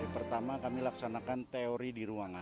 pertama kami laksanakan teori di ruangan